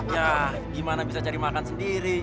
ya gimana bisa cari makan sendiri